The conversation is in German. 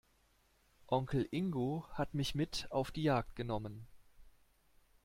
Onkel Ingo hat mich mit auf die Jagd genommen.